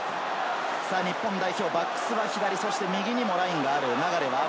日本代表バックスは左、右にもラインがある。